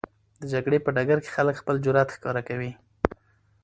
د جګړې په ډګر کې خلک خپل جرئت ښکاره کوي.